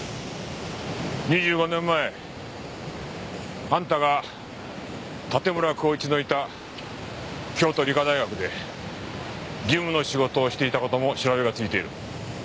２５年前あんたが盾村孝一のいた京都理科大学で事務の仕事をしていた事も調べがついている。